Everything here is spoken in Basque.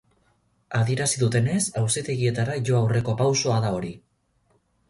Adierazi dutenez, auzitegietara jo aurreko pausoa da hori.